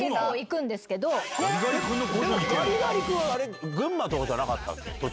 ガリガリ君は群馬とかじゃなかったっけ？